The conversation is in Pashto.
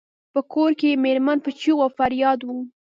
په کور کې یې میرمن په چیغو او فریاد وه.